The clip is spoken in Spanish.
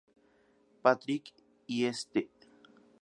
Patrick y St.